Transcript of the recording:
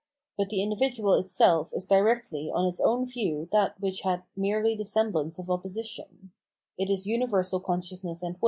But the individual itself is directly on its own view that which had merely the semblance of opposition ; it is universal consciousness and wiU.